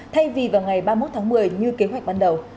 thay vì vào ngày ba mươi một tháng một mươi như kế hoạch ban đầu